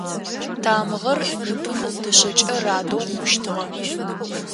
Тамыгъэр ныпым дышъэкӏэ радэу хъущтыгъэ.